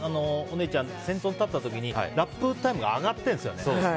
お姉ちゃん先頭に立った時ラップタイムが上がっているんですね。